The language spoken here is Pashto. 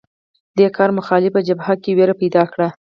دې کار مخالفه جبهه کې وېره پیدا کړه